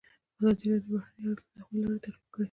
ازادي راډیو د بهرنۍ اړیکې د تحول لړۍ تعقیب کړې.